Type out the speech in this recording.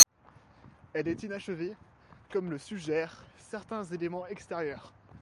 Elle est inachevée, comme le suggèrent certains éléments extérieurs.